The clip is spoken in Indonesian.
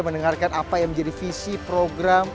mendengarkan apa yang menjadi visi program